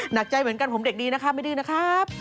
หนักใจเหมือนกันผมเด็กดีนะครับไม่ดื้อนะครับ